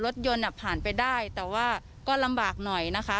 รถยนต์ผ่านไปได้แต่ว่าก็ลำบากหน่อยนะคะ